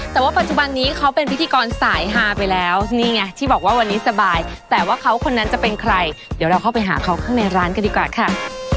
แต่ว่าปัจจุบันนี้เขาเป็นพิธีกรสายฮาไปแล้วนี่ไงที่บอกว่าวันนี้สบายแต่ว่าเขาคนนั้นจะเป็นใครเดี๋ยวเราเข้าไปหาเขาข้างในร้านกันดีกว่าค่ะ